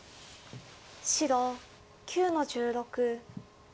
白９の十六。